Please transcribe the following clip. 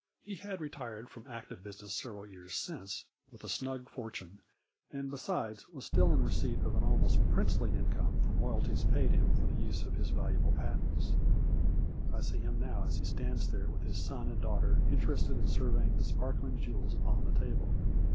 He had retired from active 16 A FLURRY IN DIAMONDS. business several years since with a snug fortune, and besides, was still in receipt of an almost princely income from royalties paid him for the use of his valuable patents. I see him now as he stands there with his son and daughter interested in surveying the sparkling jewels upon the table.